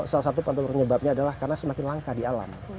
salah satu penyebabnya adalah karena semakin langka di alam